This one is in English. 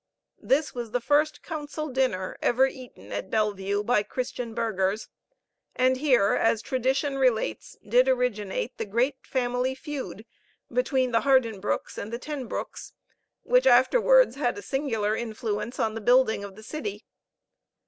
This was the first council dinner ever eaten at Bellevue by Christian burghers; and here, as tradition relates, did originate the great family feud between the Hardenbroecks and the Tenbroecks, which afterwards had a singular influence on the building of the city.